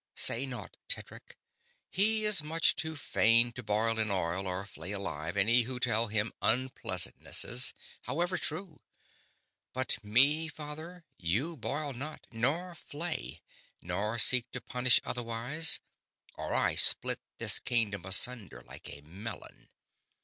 "Say naught, Tedric he is much too fain to boil in oil or flay alive any who tell him unpleasantnesses, however true. But me, father, you boil not, nor flay, nor seek to punish otherwise, or I split this kingdom asunder like a melon.